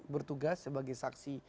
bertugas sebagai saksi